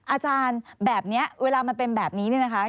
อาจารย์แบบนี้เวลามันเป็นแบบนี้เนี่ยนะคะ